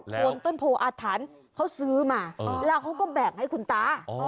คนต้นโพออาถรรพ์เขาซื้อมาแล้วเขาก็แบ่งให้คุณตา